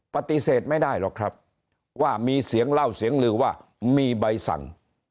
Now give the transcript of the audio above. ปฏิเสธไม่ได้หรอกครับว่ามีเสียงเล่าเสียงลือว่ามีใบสั่ง